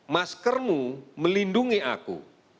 maskermu melindungi aku